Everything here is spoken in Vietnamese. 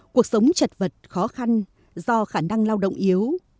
cuộc sống chật vật khó khăn do khả năng lao động yếu